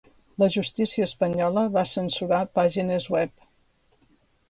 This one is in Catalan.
La justícia espanyola va censurar pàgines web